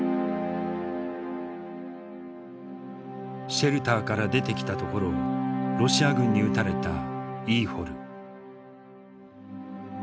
シェルターから出てきたところをロシア軍に撃たれたイーホル。